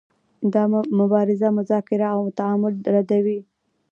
دا مبارزه مذاکره او تعامل ردوي.